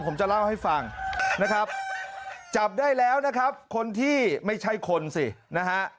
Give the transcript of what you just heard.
ครบจำได้แล้วนะครับคนที่ไม่ใช่คนสินะฮะ